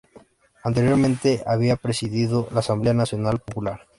Anteriormente había presidido la Asamblea Nacional Popular.